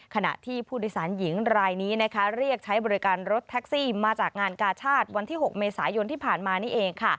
ขณะที่ผู้โดยสารหญิงรายนี้เรียกใช้บริการรถแท็กซี่มาจากงานกาชาติวันที่๖เมษายนที่ผ่านมานี่เอง